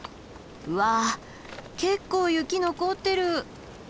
わあ結構雪残ってる！